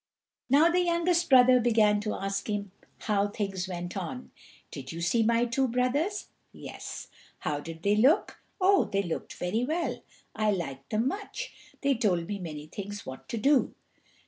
Now the youngest brother began to ask him how things went on. "Did you see my two brothers?" "Yes." "How did they look?" "Oh! they looked very well. I liked them much. They told me many things what to do."